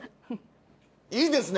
いいですね